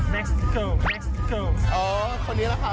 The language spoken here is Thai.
เราต้องได้ด้วยความสามารถ